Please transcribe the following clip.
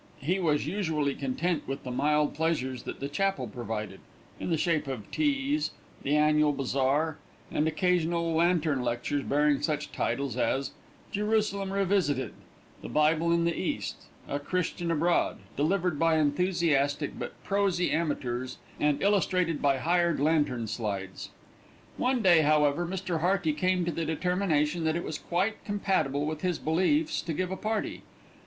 He was usually content with the mild pleasures that the chapel provided, in the shape of teas, the annual bazaar, and occasional lantern lectures bearing such titles as "Jerusalem Revisited," "The Bible in the East," "A Christian Abroad," delivered by enthusiastic but prosy amateurs and illustrated by hired lantern slides. One day, however, Mr. Hearty came to the determination that it was quite compatible with his beliefs to give a party.